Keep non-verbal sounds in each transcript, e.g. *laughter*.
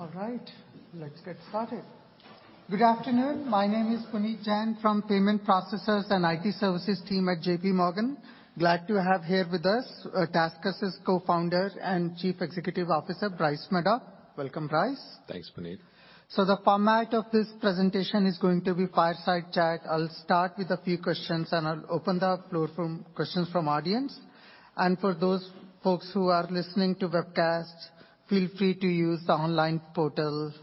All right, let's get started. Good afternoon. My name is Puneet Jain from Payment Processors and IT Services team at JPMorgan. Glad to have here with us, TaskUs's Co-Founder and Chief Executive Officer, Bryce Maddock. Welcome, Bryce. Thanks, Puneet. The format of this presentation is going to be fireside chat. I'll start with a few questions, and I'll open the floor from questions from audience. For those folks who are listening to webcasts, feel free to use the online portal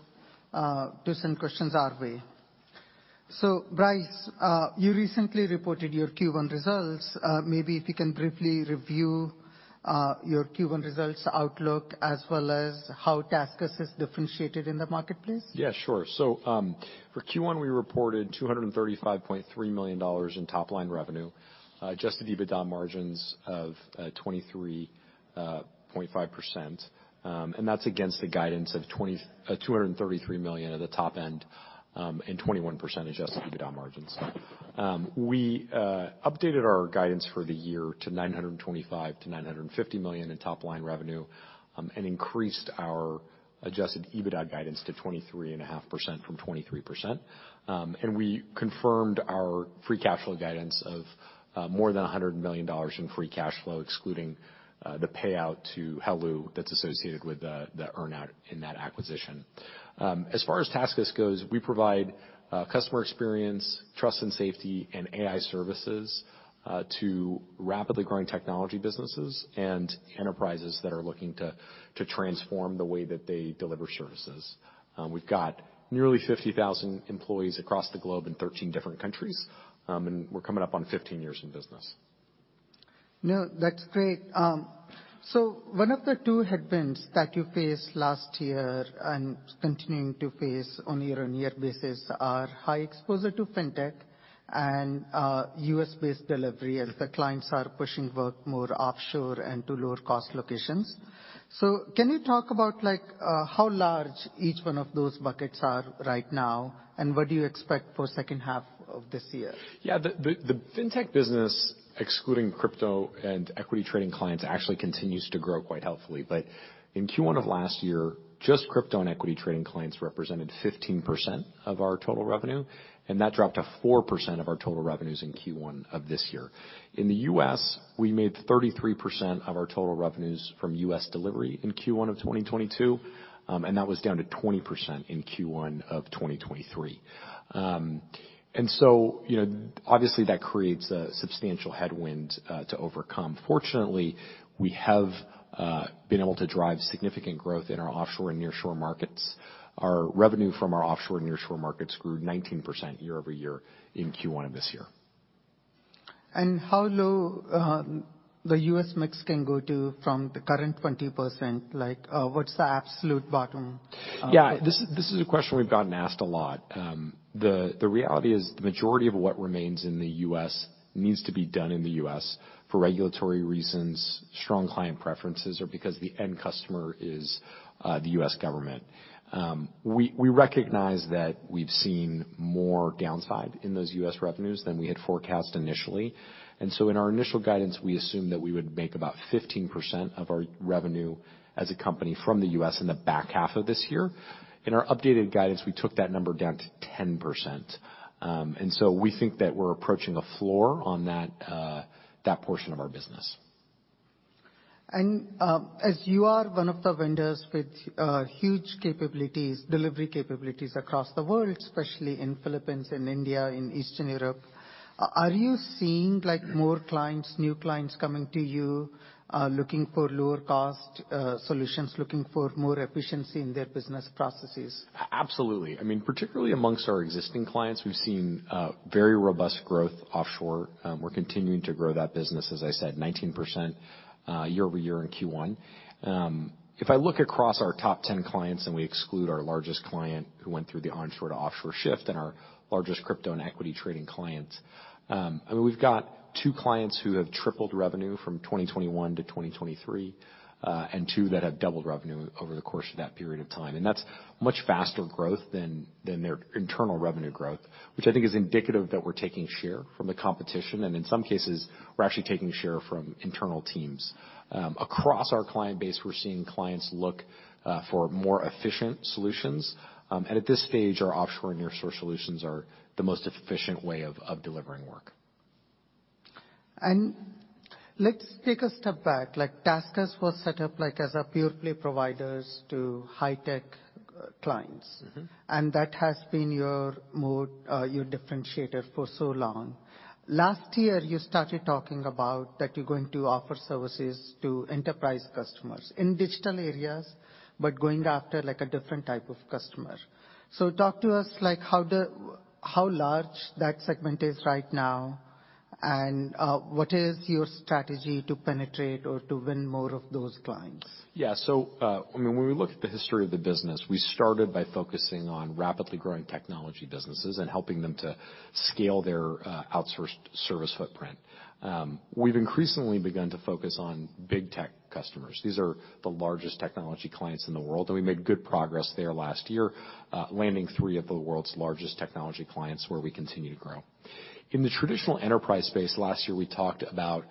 to send questions our way. Bryce, you recently reported your Q1 results. Maybe if you can briefly review your Q1 results outlook, as well as how TaskUs is differentiated in the marketplace? Yeah, sure. For Q1, we reported $235.3 million in top-line revenue, adjusted EBITDA margins of 23.5%, and that's against the guidance of $233 million at the top end, and 21% adjusted EBITDA margins. We updated our guidance for the year to $925 million-$950 million in top-line revenue, and increased our adjusted EBITDA guidance to 23.5% from 23%. We confirmed our free cash flow guidance of more than $100 million in free cash flow, excluding the payout to Heloo that's associated with the earn-out in that acquisition. As far as TaskUs goes, we provide customer experience, trust and safety, and AI services to rapidly growing technology businesses and enterprises that are looking to transform the way that they deliver services. We've got nearly 50,000 employees across the globe in 13 different countries. We're coming up on 15 years in business. No, that's great. One of the two headwinds that you faced last year and continuing to face on year-on-year basis are high exposure to fintech and U.S.-based delivery as the clients are pushing work more offshore and to lower cost locations. Can you talk about how large each one of those buckets are right now, and what do you expect for second half of this year? Yeah. The fintech business, excluding crypto and equity trading clients, actually continues to grow quite healthily. In Q1 of last year, just crypto and equity trading clients represented 15% of our total revenue, and that dropped to 4% of our total revenues in Q1 of this year. In the U.S, we made 33% of our total revenues from U.S. delivery in Q1 of 2022, and that was down to 20% in Q1 of 2023. You know, obviously, that creates a substantial headwind to overcome. Fortunately, we have been able to drive significant growth in our offshore and nearshore markets. Our revenue from our offshore and nearshore markets grew 19% year-over-year in Q1 of this year. How low, the U.S. mix can go to from the current 20%? Like, what's the absolute bottom, for this? Yeah. This is a question we've gotten asked a lot. The reality is the majority of what remains in the U.S. needs to be done in the U.S. for regulatory reasons, strong client preferences, or because the end customer is the U.S. government. We recognize that we've seen more downside in those U.S. revenues than we had forecast initially. In our initial guidance, we assumed that we would make about 15% of our revenue as a company from the U.S. in the back half of this year. In our updated guidance, we took that number down to 10%. We think that we're approaching a floor on that portion of our business. As you are one of the vendors with huge capabilities, delivery capabilities across the world, especially in Philippines and India, in Eastern Europe, are you seeing like more clients, new clients coming to you, looking for lower cost solutions, looking for more efficiency in their business processes? Absolutely. I mean, particularly amongst our existing clients, we've seen very robust growth offshore. We're continuing to grow that business, as I said, 19% year-over-year in Q1. If I look across our top 10 clients, and we exclude our largest client who went through the onshore to offshore shift and our largest crypto and equity trading client, I mean, we've got two clients who have tripled revenue from 2021 to 2023, and two that have doubled revenue over the course of that period of time. That's much faster growth than their internal revenue growth, which I think is indicative that we're taking share from the competition. In some cases, we're actually taking share from internal teams. Across our client base, we're seeing clients look for more efficient solutions. At this stage, our offshore and nearshore solutions are the most efficient way of delivering work. Let's take a step back, like TaskUs was set up like as a pure-play providers to high tech clients. Mm-hmm. That has been your moat, your differentiator for so long. Last year, you started talking about that you're going to offer services to enterprise customers in digital areas, but going after like a different type of customer. Talk to us like how large that segment is right now and, what is your strategy to penetrate or to win more of those clients? Yeah. I mean, when we look at the history of the business, we started by focusing on rapidly growing technology businesses and helping them to scale their outsourced service footprint. We've increasingly begun to focus on big tech customers. These are the largest technology clients in the world, and we made good progress there last year, landing three of the world's largest technology clients where we continue to grow. In the traditional enterprise space, last year we talked about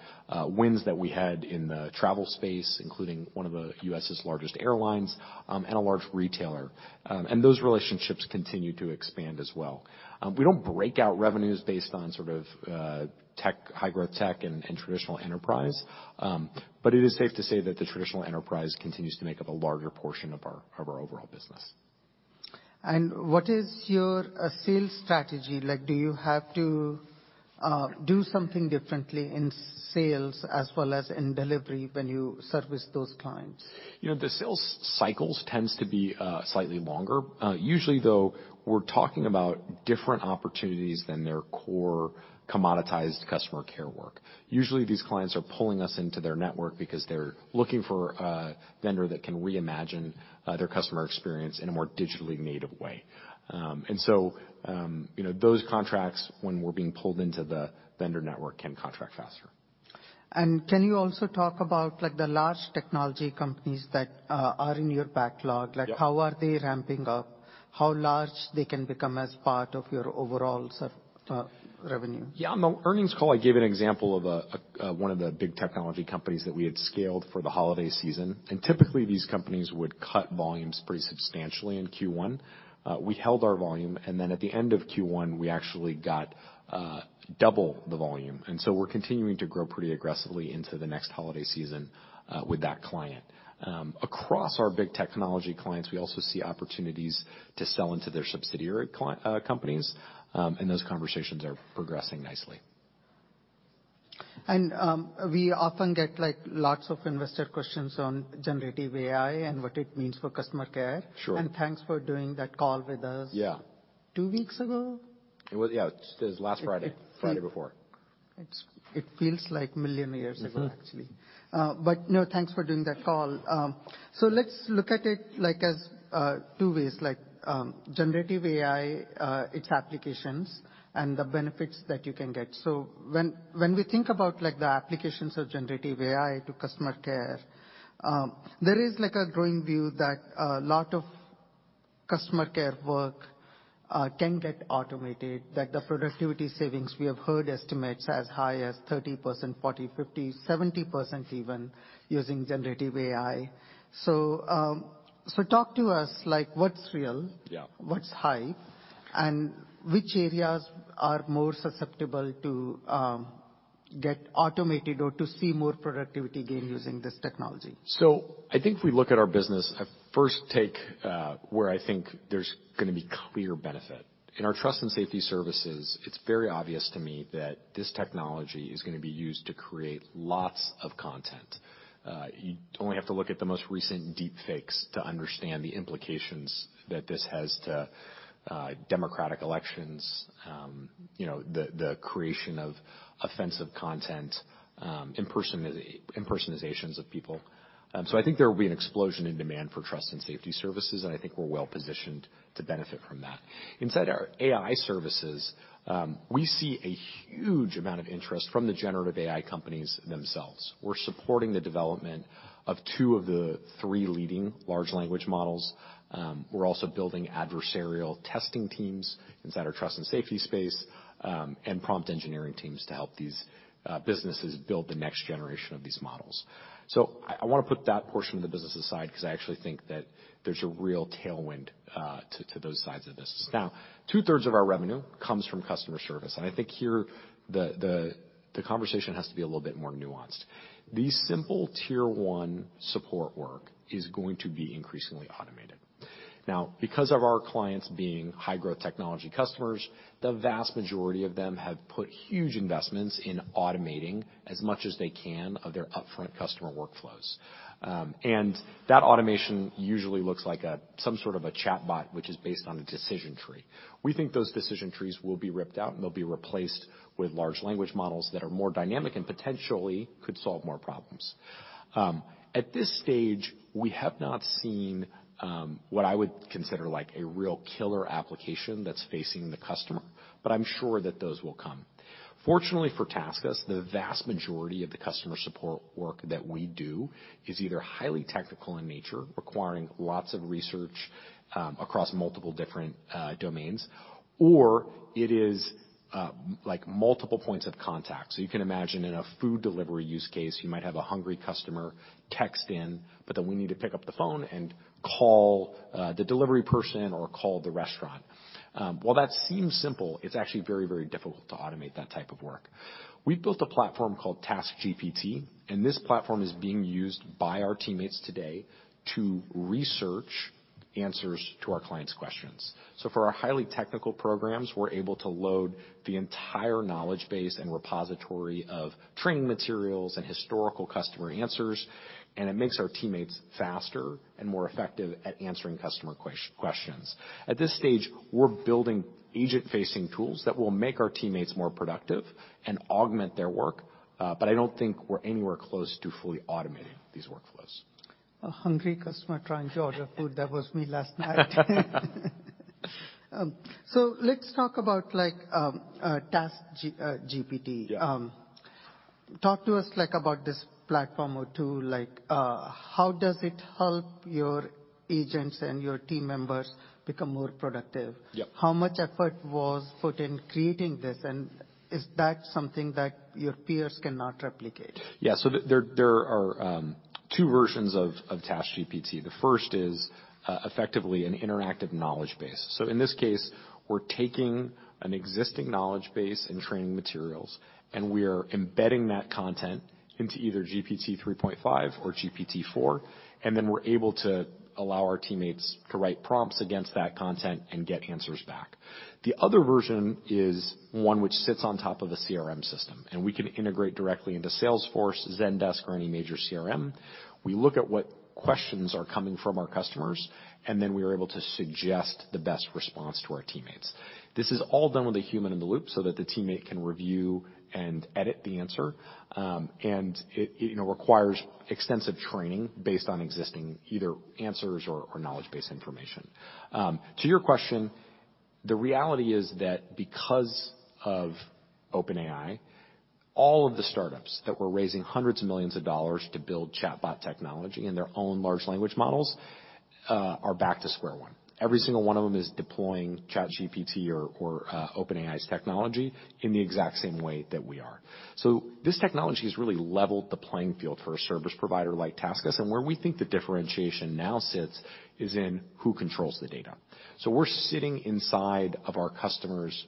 wins that we had in the travel space, including one of the U.S.'s largest airlines, and a large retailer. Those relationships continue to expand as well. We don't break out revenues based on sort of tech, high growth tech and traditional enterprise. It is safe to say that the traditional enterprise continues to make up a larger portion of our, of our overall business. What is your sales strategy? Like, do you have to do something differently in sales as well as in delivery when you service those clients? You know, the sales cycles tends to be slightly longer. Usually though, we're talking about different opportunities than their core commoditized customer care work. Usually, these clients are pulling us into their network because they're looking for a vendor that can reimagine their customer experience in a more digitally native way. You know, those contracts, when we're being pulled into the vendor network, can contract faster. Can you also talk about like the large technology companies that are in your backlog? Yeah. Like, how are they ramping up? How large they can become as part of your overall self, revenue? Yeah. On the earnings call, I gave an example of a one of the big technology companies that we had scaled for the holiday season. Typically these companies would cut volumes pretty substantially in Q1. We held our volume. Then at the end of Q1, we actually got double the volume. So we're continuing to grow pretty aggressively into the next holiday season with that client. Across our big technology clients, we also see opportunities to sell into their subsidiary companies. Those conversations are progressing nicely. We often get, like, lots of investor questions on generative AI and what it means for customer care. Sure. thanks for doing that call with us. Yeah two weeks ago. It was. Yeah. It was last Friday. It feels- Friday before. It feels like million years ago. Mm-hmm actually. No, thanks for doing that call. Let's look at it like as two ways. Like, generative AI, its applications and the benefits that you can get. When we think about like the applications of generative AI to customer care, there is like a growing view that a lot of customer care work can get automated, that the productivity savings, we have heard estimates as high as 30%, 40%, 50%, 70% even using generative AI. Talk to us, like what's real? Yeah what's hype, and which areas are more susceptible to get automated or to see more productivity gain using this technology? I think if we look at our business, a first take, where I think there's gonna be clear benefit. In our trust and safety services, it's very obvious to me that this technology is gonna be used to create lots of content. You only have to look at the most recent deepfakes to understand the implications that this has to democratic elections, you know, the creation of offensive content, impersonations of people. I think there will be an explosion in demand for trust and safety services, and I think we're well-positioned to benefit from that. Inside our AI services, we see a huge amount of interest from the generative AI companies themselves. We're supporting the development of two of the three leading large language models. We're also building adversarial testing teams inside our trust and safety space, and prompt engineering teams to help these businesses build the next generation of these models. I wanna put that portion of the business aside 'cause I actually think that there's a real tailwind to those sides of the business. 2/3 of our revenue comes from customer service, and I think here the conversation has to be a little bit more nuanced. The simple tier one support work is going to be increasingly automated. Because of our clients being high-growth technology customers, the vast majority of them have put huge investments in automating as much as they can of their upfront customer workflows. And that automation usually looks like some sort of a chatbot, which is based on a decision tree. We think those decision trees will be ripped out, and they'll be replaced with large language models that are more dynamic and potentially could solve more problems. At this stage, we have not seen, what I would consider like a real killer application that's facing the customer, but I'm sure that those will come. Fortunately for TaskUs, the vast majority of the customer support work that we do is either highly technical in nature, requiring lots of research, across multiple different domains, or it is like multiple points of contact. You can imagine in a food delivery use case, you might have a hungry customer text in, but then we need to pick up the phone and call the delivery person or call the restaurant. While that seems simple, it's actually very, very difficult to automate that type of work. We've built a platform called TaskGPT. This platform is being used by our teammates today to research answers to our clients' questions. For our highly technical programs, we're able to load the entire knowledge base and repository of training materials and historical customer answers. It makes our teammates faster and more effective at answering customer questions. At this stage, we're building agent-facing tools that will make our teammates more productive and augment their work. I don't think we're anywhere close to fully automating these workflows. A hungry customer trying to order food. That was me last night. Let's talk about like TaskGPT. Yeah. Talk to us like about this platform or tool, like, how does it help your agents and your team members become more productive? Yeah. How much effort was put in creating this, and is that something that your peers cannot replicate? Yeah. There are two versions of TaskGPT. The first is effectively an interactive knowledge base. In this case, we're taking an existing knowledge base and training materials, we are embedding that content into either GPT-3.5 or GPT-4, we're able to allow our teammates to write prompts against that content and get answers back. The other version is one which sits on top of a CRM system, we can integrate directly into Salesforce, Zendesk, or any major CRM. We look at what questions are coming from our customers, we are able to suggest the best response to our teammates. This is all done with a human in the loop so that the teammate can review and edit the answer. It, you know, requires extensive training based on existing either answers or knowledge base information. To your question, the reality is that because of OpenAI, all of the startups that were raising hundreds of millions of dollars to build chatbot technology in their own large language models are back to square one. Every single one of them is deploying ChatGPT or OpenAI's technology in the exact same way that we are. This technology has really leveled the playing field for a service provider like TaskUs. Where we think the differentiation now sits is in who controls the data. We're sitting inside of our customers'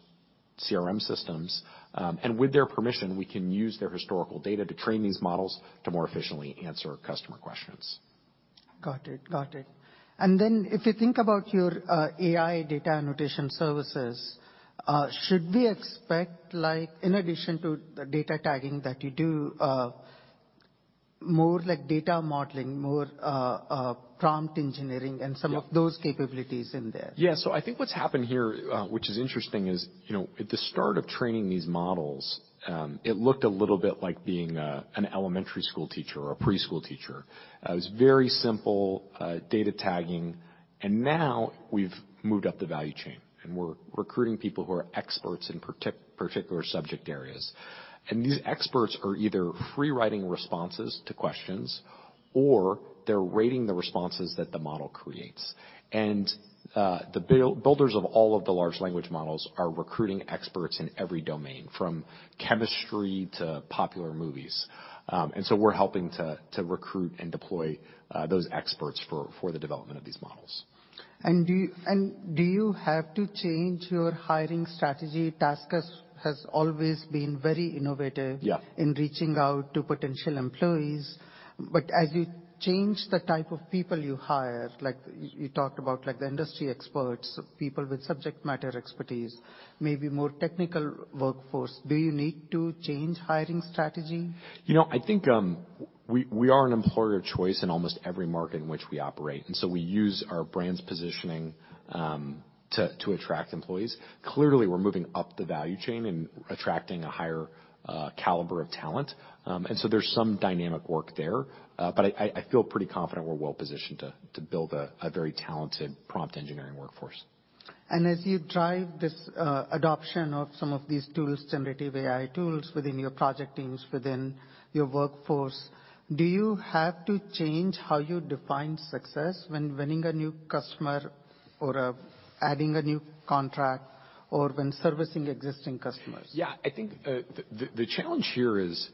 CRM systems, and with their permission, we can use their historical data to train these models to more efficiently answer customer questions. Got it. Got it. If you think about your AI data annotation services, should we expect like in addition to the data tagging that you do, more like data modeling, more prompt engineering? Yeah. Some of those capabilities in there? Yeah. I think what's happened here, which is interesting, is, you know, at the start of training these models, it looked a little bit like being an elementary school teacher or a preschool teacher. It was very simple, data tagging. Now we've moved up the value chain, and we're recruiting people who are experts in particular subject areas. These experts are either free writing responses to questions, or they're rating the responses that the model creates. The builders of all of the large language models are recruiting experts in every domain, from chemistry to popular movies. We're helping to recruit and deploy those experts for the development of these models. Do you have to change your hiring strategy? TaskUs has always been very innovative- Yeah. in reaching out to potential employees. As you change the type of people you hire, like you talked about, like the industry experts, people with subject matter expertise, maybe more technical workforce, do you need to change hiring strategy? You know, I think, we are an employer of choice in almost every market in which we operate, and so we use our brand's positioning, to attract employees. Clearly, we're moving up the value chain and attracting a higher caliber of talent. There's some dynamic work there. I feel pretty confident we're well-positioned to build a very talented prompt engineering workforce. As you drive this adoption of some of these tools, generative AI tools within your project teams, within your workforce, do you have to change how you define success when winning a new customer or adding a new contract or when servicing existing customers? I think the challenge here is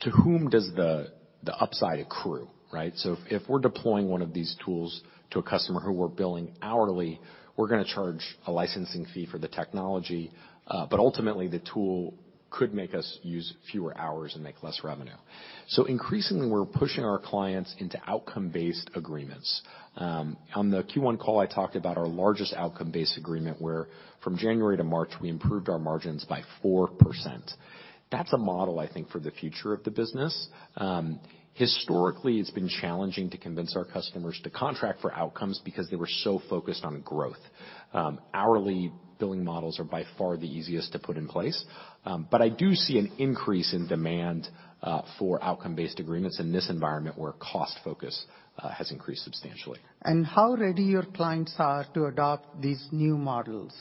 to whom does the upside accrue, right? If we're deploying one of these tools to a customer who we're billing hourly, we're gonna charge a licensing fee for the technology. Ultimately, the tool could make us use fewer hours and make less revenue. Increasingly, we're pushing our clients into outcome-based agreements. On the Q1 call, I talked about our largest outcome-based agreement where from January to March we improved our margins by 4%. That's a model, I think, for the future of the business. Historically, it's been challenging to convince our customers to contract for outcomes because they were so focused on growth. Hourly billing models are by far the easiest to put in place. I do see an increase in demand for outcome-based agreements in this environment where cost focus has increased substantially. How ready your clients are to adopt these new models?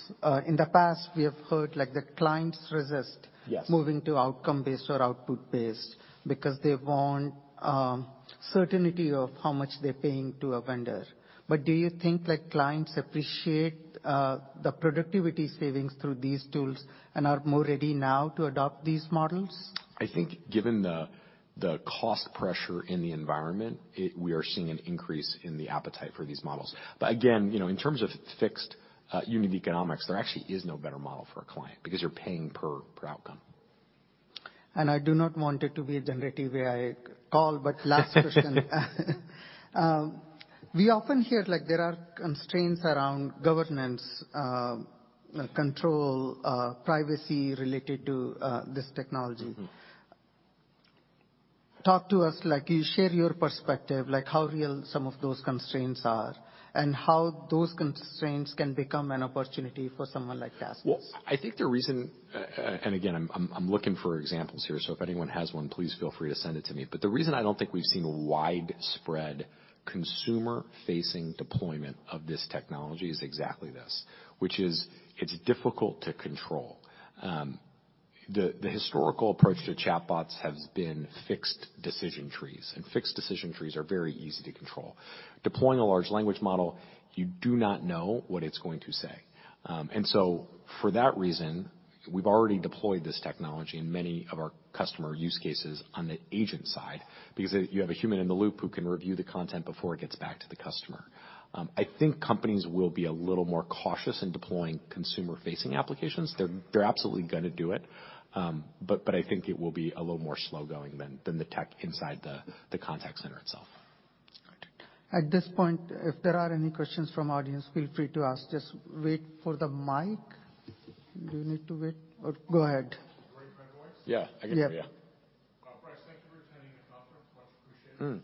In the past, we have heard, like, the clients resist-. Yes. moving to outcome-based or output-based because they want certainty of how much they're paying to a vendor. Do you think that clients appreciate the productivity savings through these tools and are more ready now to adopt these models? I think given the cost pressure in the environment, we are seeing an increase in the appetite for these models. Again, you know, in terms of fixed unit economics, there actually is no better model for a client because you're paying per outcome. I do not want it to be a generative AI call, but last question. We often hear, like, there are constraints around governance, control, privacy related to this technology. Mm-hmm. Talk to us, like you share your perspective, like how real some of those constraints are and how those constraints can become an opportunity for someone like TaskUs. Well, I think the reason, I'm looking for examples here, so if anyone has one, please feel free to send it to me. The reason I don't think we've seen widespread consumer-facing deployment of this technology is exactly this, which is it's difficult to control. The historical approach to chatbots has been fixed decision trees. Fixed decision trees are very easy to control. Deploying a large language model, you do not know what it's going to say. For that reason, we've already deployed this technology in many of our customer use cases on the agent side, because you have a human in the loop who can review the content before it gets back to the customer. I think companies will be a little more cautious in deploying consumer-facing applications. They're absolutely gonna do it, but I think it will be a little more slow-going than the tech inside the contact center itself. At this point, if there are any questions from audience, feel free to ask. Just wait for the mic. Do you need to wait or go ahead? Can you hear my voice? Yeah. I can hear you. Yeah. Bryce, thank you for attending the conference. Much appreciated. Mm.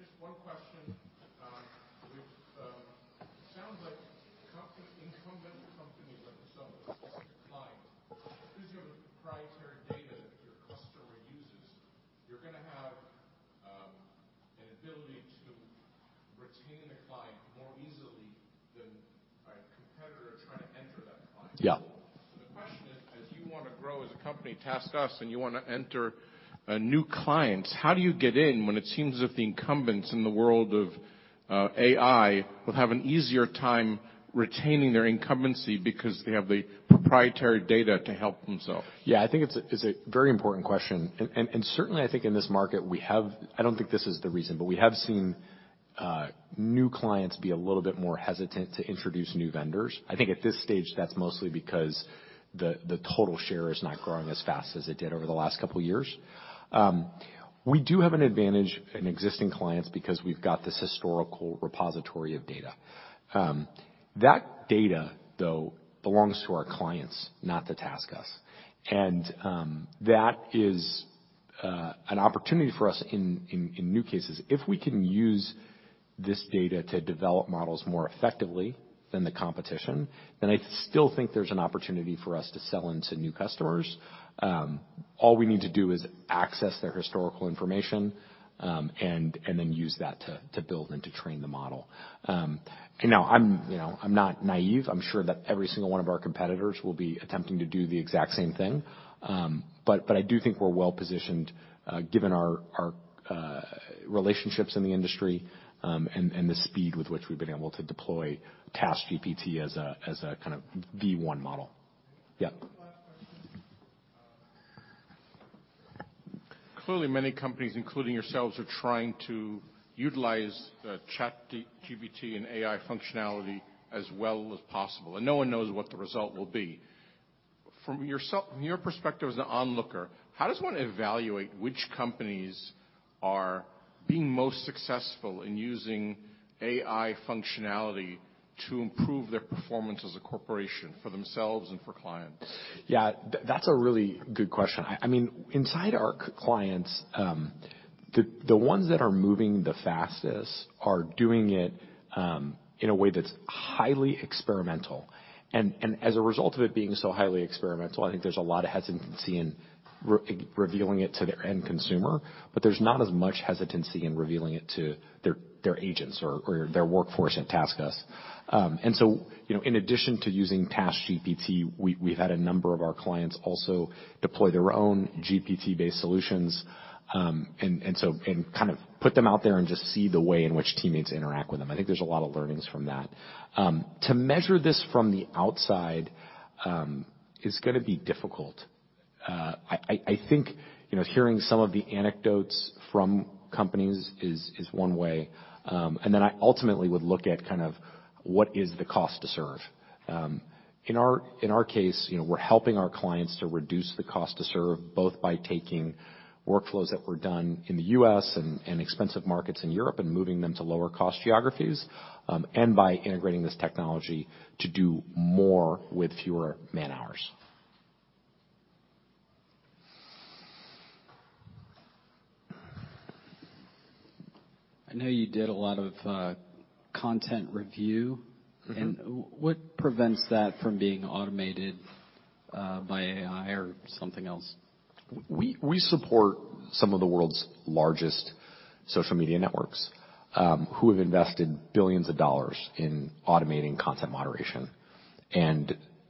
Just one question. It sounds like incumbent companies like yourself proprietary data your customer uses, you're gonna have an ability to retain a client more easily than a competitor trying to enter that client. Yeah. The question is, as you wanna grow as a company, TaskUs, and you wanna enter a new client, how do you get in when it seems as if the incumbents in the world of AI will have an easier time retaining their incumbency because they have the proprietary data to help themselves? Yeah. I think it's a very important question. Certainly I think in this market, we have... I don't think this is the reason, but we have seen new clients be a little bit more hesitant to introduce new vendors. I think at this stage, that's mostly because the total share is not growing as fast as it did over the last couple years. We do have an advantage in existing clients because we've got this historical repository of data. That data, though, belongs to our clients, not to TaskUs. That is an opportunity for us in new cases. If we can use this data to develop models more effectively than the competition, then I still think there's an opportunity for us to sell into new customers. All we need to do is access their historical information, and then use that to build and to train the model. Now I'm, you know, I'm not naive. I'm sure that every single one of our competitors will be attempting to do the exact same thing. I do think we're well-positioned, given our relationships in the industry, and the speed with which we've been able to deploy TaskGPT as a kind of V1 model. Last question. Clearly many companies, including yourselves, are trying to utilize the ChatGPT and AI functionality as well as possible, and no one knows what the result will be. From your perspective as an onlooker, how does one evaluate which companies are being most successful in using AI functionality to improve their performance as a corporation for themselves and for clients? Yeah. That's a really good question. I mean, inside our clients, the ones that are moving the fastest are doing it in a way that's highly experimental. As a result of it being so highly experimental, I think there's a lot of hesitancy in revealing it to their end consumer, but there's not as much hesitancy in revealing it to their agents or their workforce at TaskUs. You know, in addition to using TaskGPT, we've had a number of our clients also deploy their own GPT-based solutions. Kind of put them out there and just see the way in which teammates interact with them. I think there's a lot of learnings from that. To measure this from the outside is gonna be difficult. I think, you know, hearing some of the anecdotes from companies is one way. I ultimately would look at kind of what is the cost to serve. In our case, you know, we're helping our clients to reduce the cost to serve, both by taking workflows that were done in the U.S. and expensive markets in Europe and moving them to lower cost geographies, and by integrating this technology to do more with fewer man-hours. I know you did a lot of content review. Mm-hmm. What prevents that from being automated by AI or something else? We support some of the world's largest social media networks, who have invested billions of dollars in automating content moderation.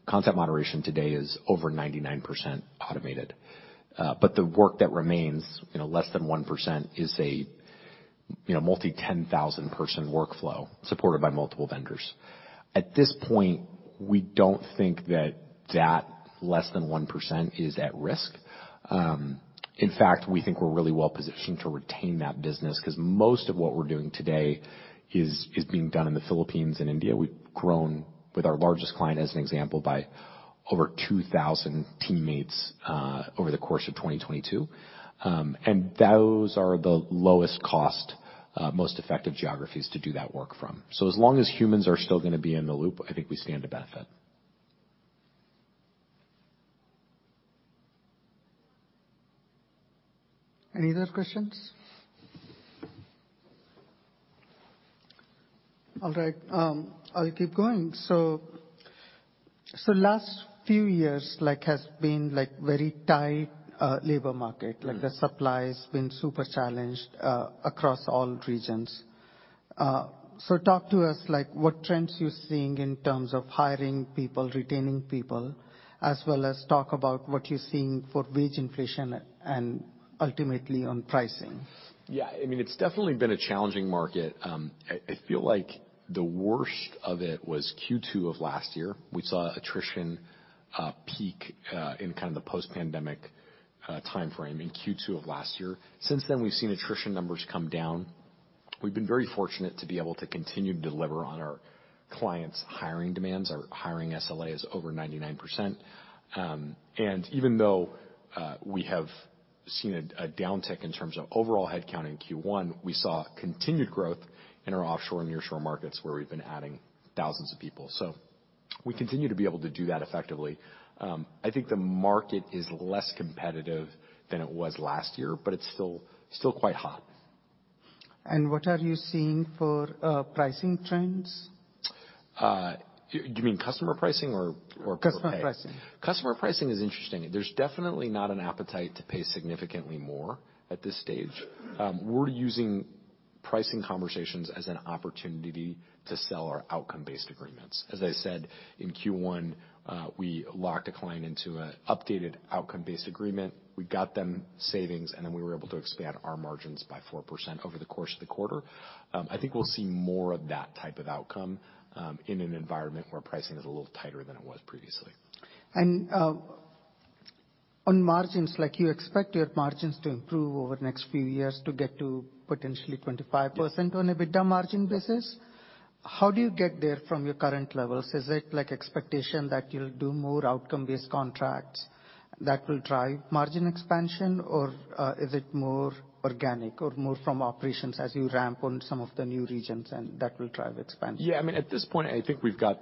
Content moderation today is over 99% automated. The work that remains, you know, less than 1%, is a, you know, multi 10,000 person workflow supported by multiple vendors. At this point, we don't think that that less than 1% is at risk. In fact, we think we're really well-positioned to retain that business 'cause most of what we're doing today is being done in the Philippines and India. We've grown with our largest client, as an example, by over 2,000 teammates over the course of 2022. Those are the lowest cost, most effective geographies to do that work from. As long as humans are still gonna be in the loop, I think we stand to benefit. Any other questions? All right, I'll keep going. Last few years, like, has been, like, very tight, labor market, like the supply has been super challenged, across all regions. Talk to us, like what trends you're seeing in terms of hiring people, retaining people, as well as talk about what you're seeing for wage inflation and ultimately on pricing. Yeah. I mean, it's definitely been a challenging market. I feel like the worst of it was Q2 of last year. We saw attrition peak in kind of the post-pandemic timeframe in Q2 of last year. Since then, we've seen attrition numbers come down. We've been very fortunate to be able to continue to deliver on our clients' hiring demands. Our hiring SLA is over 99%. Even though we have seen a downtick in terms of overall headcount in Q1, we saw continued growth in our offshore and nearshore markets where we've been adding thousands of people. We continue to be able to do that effectively. I think the market is less competitive than it was last year, but it's still quite hot. What are you seeing for pricing trends? Do you mean customer pricing or for pay? Customer pricing. Customer pricing is interesting. There's definitely not an appetite to pay significantly more at this stage. We're using pricing conversations as an opportunity to sell our outcome-based agreements. As I said, in Q1, we locked a client into an updated outcome-based agreement. We got them savings, and then we were able to expand our margins by 4% over the course of the quarter. I think we'll see more of that type of outcome, in an environment where pricing is a little tighter than it was previously. On margins, like you expect your margins to improve over the next few years to get to potentially 25 percent-? Yes. on EBITDA margin basis, how do you get there from your current levels? Is it like expectation that you'll do more outcome-based contracts that will drive margin expansion, or is it more organic or more from operations as you ramp on some of the new regions and that will drive expansion? Yeah. I mean, at this point, I think we've got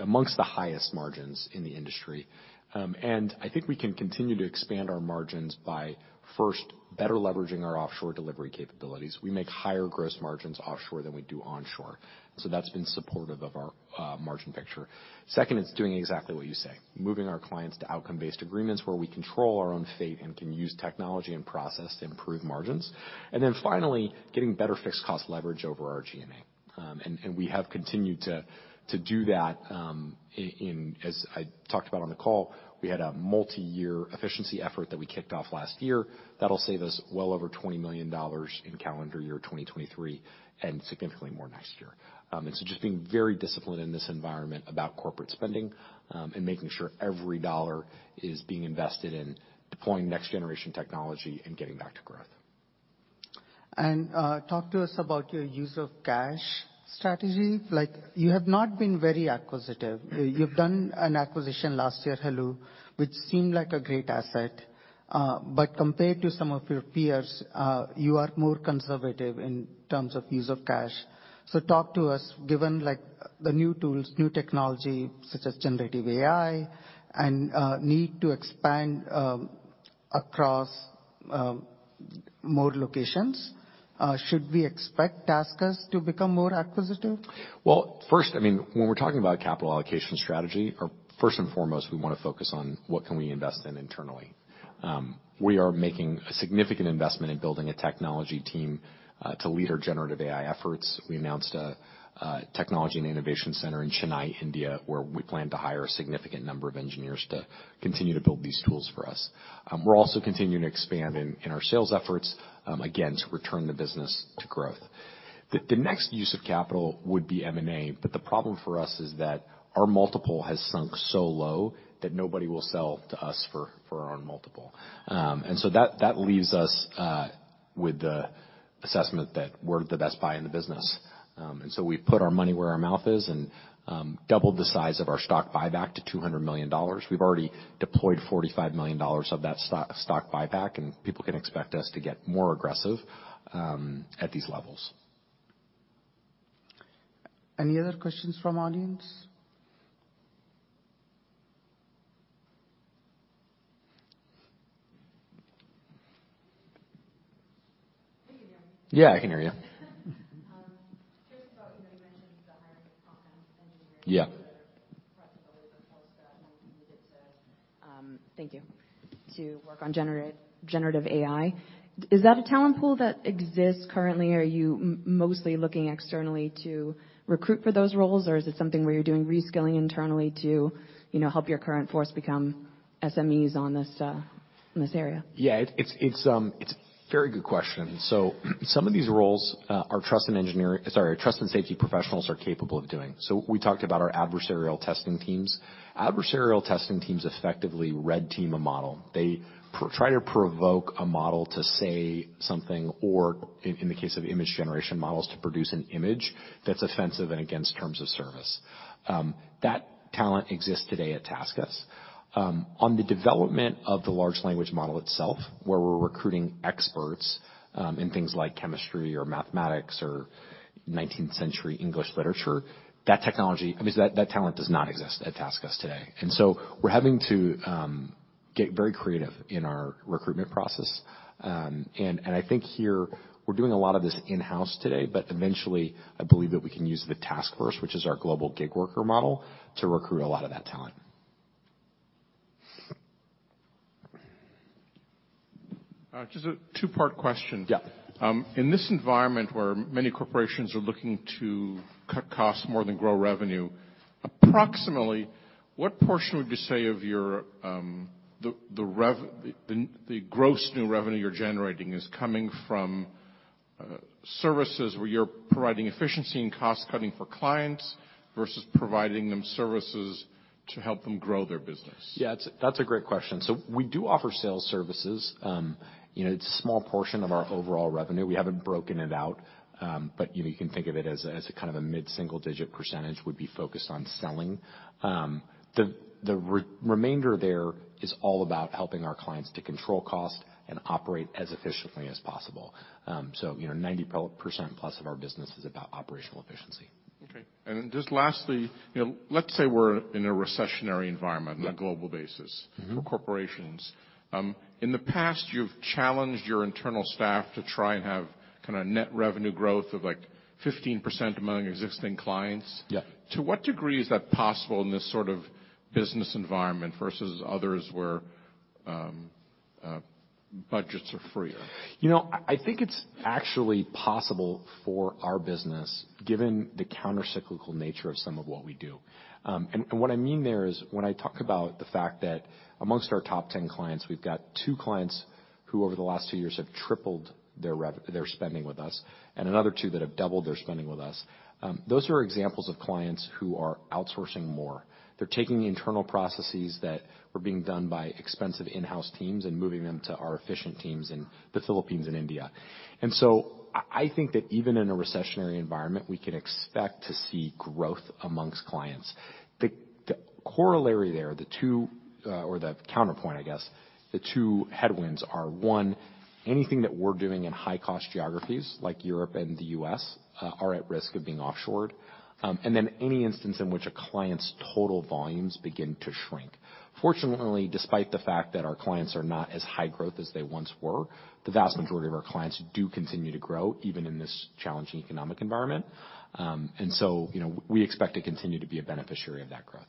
amongst the highest margins in the industry. I think we can continue to expand our margins by first better leveraging our offshore delivery capabilities. We make higher gross margins offshore than we do onshore, so that's been supportive of our margin picture. Second is doing exactly what you say, moving our clients to outcome-based agreements where we control our own fate and can use technology and process to improve margins. Finally, getting better fixed cost leverage over our G&A. We have continued to do that, as I talked about on the call, we had a multiyear efficiency effort that we kicked off last year that'll save us well over $20 million in calendar year 2023, and significantly more next year. just being very disciplined in this environment about corporate spending, and making sure every dollar is being invested in deploying next generation technology and getting back to growth. Talk to us about your use of cash strategy. Like, you have not been very acquisitive. You've done an acquisition last year, heloo, which seemed like a great asset. Compared to some of your peers, you are more conservative in terms of use of cash. Talk to us, given, like, the new tools, new technology such as generative AI and need to expand across more locations, should we expect TaskUs to become more acquisitive? Well, first, I mean, when we're talking about a capital allocation strategy, or first and foremost, we wanna focus on what can we invest in internally. We are making a significant investment in building a technology team to lead our generative AI efforts. We announced a technology and innovation center in Chennai, India, where we plan to hire a significant number of engineers to continue to build these tools for us. We're also continuing to expand in our sales efforts, again, to return the business to growth. The next use of capital would be M&A, but the problem for us is that our multiple has sunk so low that nobody will sell to us for our own multiple. That leaves us with the assessment that we're the best buy in the business. We've put our money where our mouth is and doubled the size of our stock buyback to $200 million. We've already deployed $45 million of that stock buyback, and people can expect us to get more aggressive at these levels. Any other questions from audience? Can you hear me? Yeah, I can hear you. *inaudible* just about, you know, you mentioned the hiring of content engineers- Yeah. - that are across a number of Yeah. in this environment where many corporations are looking to cut costs more than grow revenue, approximately What portion would you say of your, the gross new revenue you're generating is coming from, services where you're providing efficiency and cost-cutting for clients versus providing them services to help them grow their business? Yeah, that's a great question. We do offer sales services. You know, it's a small portion of our overall revenue. We haven't broken it out. You know, you can think of it as a kind of a mid-single-digit percentage would be focused on selling. The remainder there is all about helping our clients to control cost and operate as efficiently as possible. You know, 90% plus of our business is about operational efficiency. Okay. Just lastly, you know, let's say we're in a recessionary environment... Yeah. on a global basis Mm-hmm. -for corporations. In the past, you've challenged your internal staff to try and have net revenue growth of 15% among existing clients. Yeah. To what degree is that possible in this sort of business environment versus others where budgets are freer? You know, I think it's actually possible for our business, given the counter-cyclical nature of some of what we do. And what I mean there is when I talk about the fact that amongst our top 10 clients, we've got two clients who over the last two years have tripled their spending with us, and another two that have doubled their spending with us. Those are examples of clients who are outsourcing more. They're taking the internal processes that were being done by expensive in-house teams and moving them to our efficient teams in the Philippines and India. I think that even in a recessionary environment, we can expect to see growth amongst clients. The corollary there, the two, or the counterpoint, I guess, the two headwinds are, one, anything that we're doing in high-cost geographies, like Europe and the U.S., are at risk of being offshored. Any instance in which a client's total volumes begin to shrink. Fortunately, despite the fact that our clients are not as high growth as they once were, the vast majority of our clients do continue to grow, even in this challenging economic environment. You know, we expect to continue to be a beneficiary of that growth.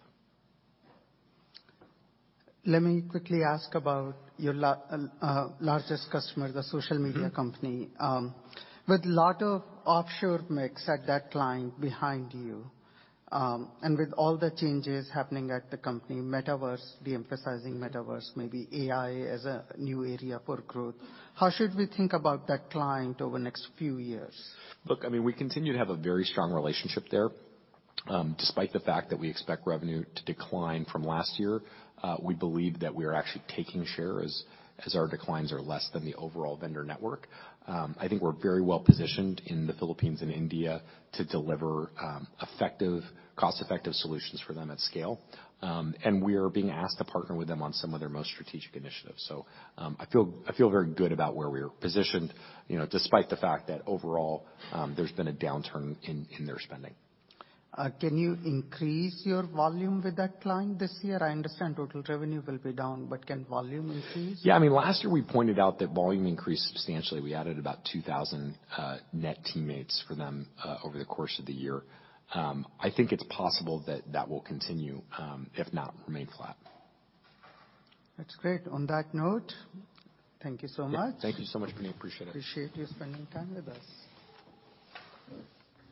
Let me quickly ask about your largest customer, the social media company. With lot of offshore mix at that client behind you, and with all the changes happening at the company, metaverse, de-emphasizing metaverse, maybe AI as a new area for growth, how should we think about that client over the next few years? Look, I mean, we continue to have a very strong relationship there. Despite the fact that we expect revenue to decline from last year, we believe that we are actually taking share as our declines are less than the overall vendor network. I think we're very well-positioned in the Philippines and India to deliver cost-effective solutions for them at scale. And we are being asked to partner with them on some of their most strategic initiatives. I feel very good about where we're positioned, you know, despite the fact that overall, there's been a downturn in their spending. Can you increase your volume with that client this year? I understand total revenue will be down, but can volume increase? Yeah. I mean, last year we pointed out that volume increased substantially. We added about 2,000 net teammates for them, over the course of the year. I think it's possible that that will continue, if not remain flat. That's great. On that note, thank you so much. Yeah. Thank you so much, Pini. Appreciate it. Appreciate you spending time with us.